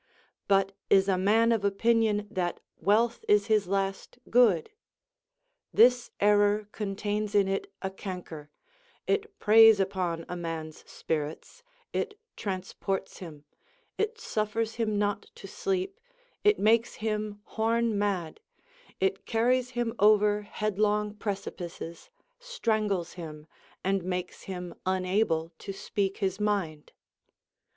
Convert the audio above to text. But is a man of opinion that Avealth is his last good ? This error contains in it a canker ; it preys upon a man's spirits, it transports him, it suffers him not to sleep, it makes him horn mad, it carries him over headlong precipices, strangles him, and makes him unable to speak his mind.